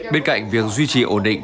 bên cạnh việc duy trì ổn định